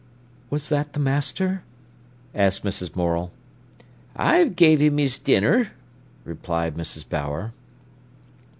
"Was that the master?" asked Mrs. Morel. "I've gave him his dinner," replied Mrs. Bower.